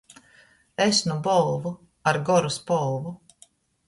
Es nu Bolvu ar goru spolvu.